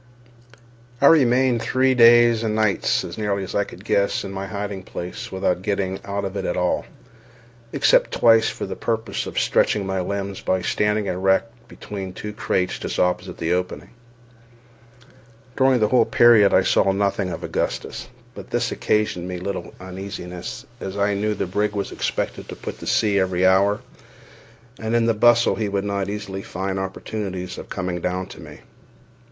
I remained three days and nights (as nearly as I could guess) in my hiding place without getting out of it at all, except twice for the purpose of stretching my limbs by standing erect between two crates just opposite the opening. During the whole period I saw nothing of Augustus; but this occasioned me little uneasiness, as I knew the brig was expected to put to sea every hour, and in the bustle he would not easily find opportunities of coming down to me.